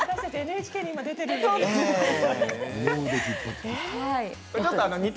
ＮＨＫに今、出ているのに。